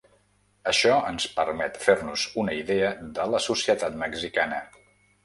Això ens permet fer-nos una idea de la societat mexicana.